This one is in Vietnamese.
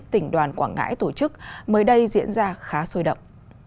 tỉnh đoàn quảng ngãi tổ chức mới đây diễn ra khá sôi động